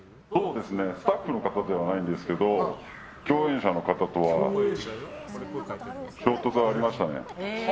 スタッフの方ではないんですけど共演者の方とは衝突はありましたね。